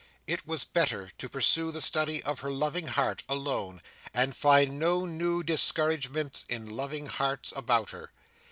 It was better to pursue the study of her loving heart, alone, and find no new discouragements in loving hearts about her.